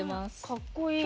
かっこいい！